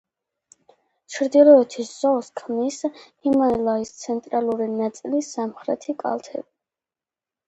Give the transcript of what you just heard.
ჩრდილოეთის ზოლს ქმნის ჰიმალაის ცენტრალური ნაწილის სამხრეთი კალთები.